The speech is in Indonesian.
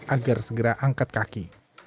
agar segera angkat kaki